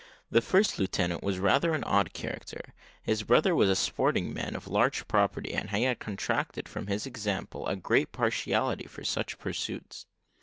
The first lieutenant was rather an odd character; his brother was a sporting man of large property, and he had contracted, from his example, a great partiality for such pursuits.